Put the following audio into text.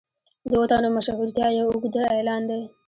د اوو تنو مشهورتیا یو اوږده اعلان دی.